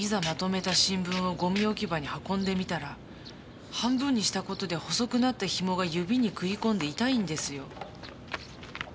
まとめた新聞をごみ置き場に運んでみたら半分にしたことで細くなったひもが指に食い込んで痛いんですよ。